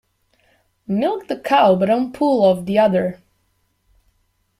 Milk the cow but don't pull off the udder.